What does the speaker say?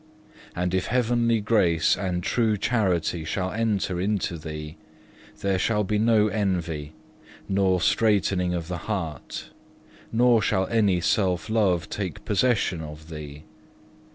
And if heavenly grace and true charity shall enter into thee, there shall be no envy, nor straitening of the heart, nor shall any self love take possession of thee.